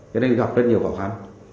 thế nên gặp rất nhiều bảo khán